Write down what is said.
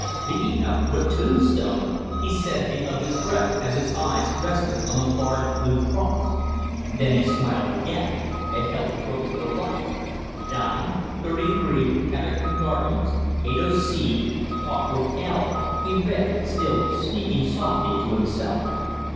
"Big enough for a tombstone!" he said below his breath as his eyes rested on a large blue cross. Then he smiled again and held the book to the light. "Dine 33 Cadogan Gardens, 8 o'c. Talk with L," he read, still speaking softly to himself.